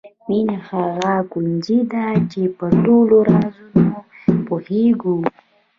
مینه هغه کونجي ده چې په ټولو رازونو پوهېږو.